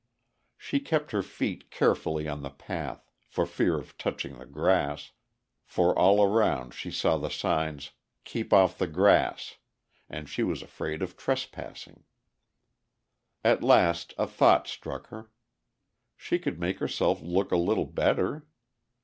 She kept her feet carefully on the path, for fear of touching the grass, for all around she saw the signs, "Keep off the grass," and she was afraid of trespassing. At last a thought struck her. She could make herself look a little better!